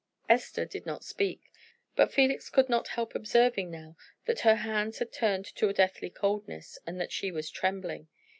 Esther did not speak, but Felix could not help observing now that her hands had turned to a deathly coldness, and that she was trembling.